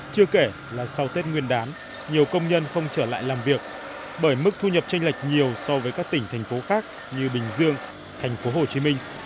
chưa kể là sau tết nguyên đán nhiều công nhân không trở lại làm việc bởi mức thu nhập tranh lệch nhiều so với các tỉnh thành phố khác như bình dương thành phố hồ chí minh